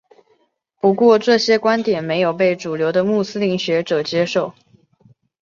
不过这些观点没有被主流的穆斯林学者接受。